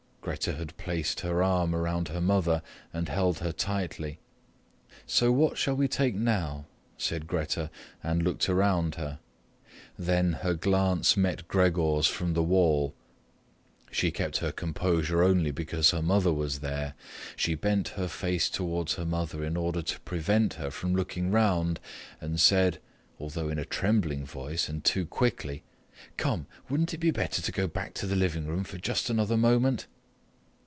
Grete had placed her arm around her mother and held her tightly. "So what shall we take now?" said Grete and looked around her. Then her glance met Gregor's from the wall. She kept her composure only because her mother was there. She bent her face towards her mother in order to prevent her from looking around, and said, although in a trembling voice and too quickly, "Come, wouldn't it be better to go back to the living room for just another moment?"